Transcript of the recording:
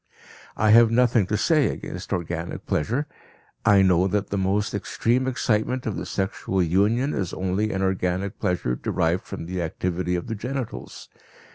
I have nothing to say against organic pleasure; I know that the most extreme excitement of the sexual union is only an organic pleasure derived from the activity of the genitals.